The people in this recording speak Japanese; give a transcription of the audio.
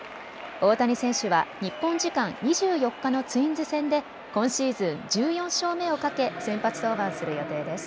大谷選手は日本時間２４日のツインズ戦で今シーズン１４勝目をかけ、先発登板する予定です。